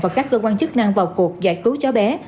và các cơ quan chức năng vào cuộc giải cứu cháu bé